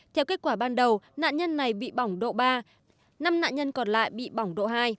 theo kết quả ban đầu nạn nhân này bị bỏng độ ba năm nạn nhân còn lại bị bỏng độ hai